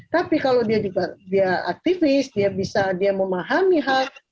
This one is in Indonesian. tapi kalau dia juga dia aktivis dia bisa dia memahami hal